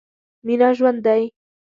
مينه ژوند دی.